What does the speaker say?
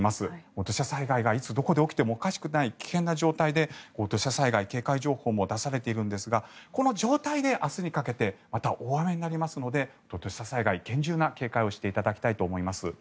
土砂災害がいつどこで起きてもおかしくない危険な状態で土砂災害警戒情報も出されていますがこの状態で明日にかけてまた大雨になりますので土砂災害に厳重な警戒をしていただきたいと思います。